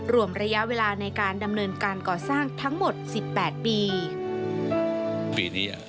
๒๕๓๘รวมระยะเวลาในการดำเนินการก่อสร้างทั้งหมดสิบแปดปีปีนี้อ่ะ